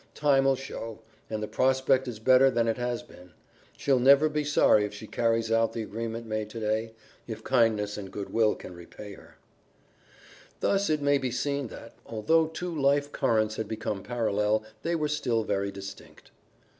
Time'll show, and the prospect is better than it has been yet. She'll never be sorry if she carries out the agreement made today, if kindness and good will can repay her." Thus it may be seen that, although two life currents had become parallel, they were still very distinct.